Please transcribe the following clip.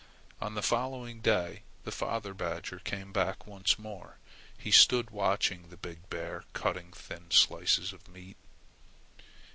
On the following day the father badger came back once more. He stood watching the big bear cutting thin slices of meat.